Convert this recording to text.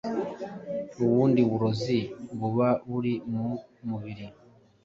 ubundi burozi buba buri mu mubiri.